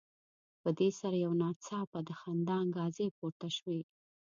په دې سره یو ناڅاپه د خندا انګازې پورته شوې.